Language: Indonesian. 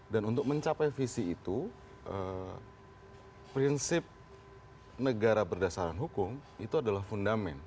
dan untuk mencapai visi itu prinsip negara berdasarkan hukum itu adalah fundament